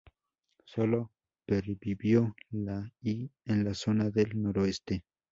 Solo pervivió la -i en la zona del noroeste.